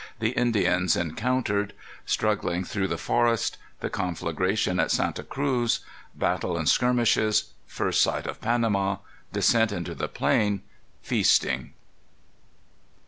The Indians Encountered. Struggling through the Forest. The Conflagration at Santa Cruz. Battle and Skirmishes. First Sight of Panama. Descent into the Plain. Feasting.